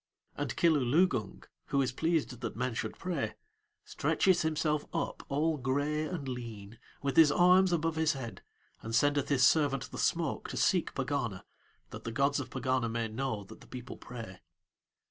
And Kilooloogung, who is pleased that men should pray, stretches himself up all grey and lean, with his arms above his head, and sendeth his servant the smoke to seek Pegana, that the gods of Pegana may know that the people pray.